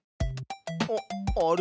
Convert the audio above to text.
あっあれ？